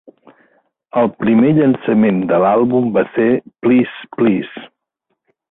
El primer llançament de l'àlbum va ser "Please Please".